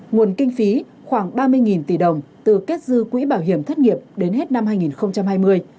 nguồn kinh phí khoảng ba mươi tỷ đồng từ kết dư quỹ bảo hiểm thất nghiệp đến hết năm hai nghìn hai mươi